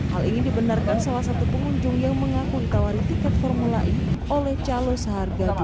hal ini dibenarkan salah satu pengunjung yang mengaku ditawari tiket formula e oleh calon seharga